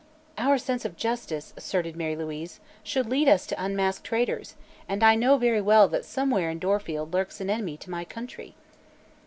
"Our sense of justice," asserted Mary Louise, "should lead us to unmask traitors, and I know very well that somewhere in Dorfield lurks an enemy to my country."